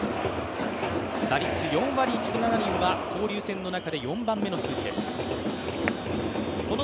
打率４割１分７厘は交流戦の中で４番目の数字です。